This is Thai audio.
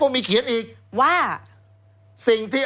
แล้วเขาก็ใช้วิธีการเหมือนกับในการ์ตูน